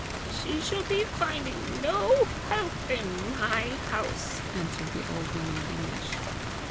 "She shall be finding no help in MY house!" answered the old woman in English.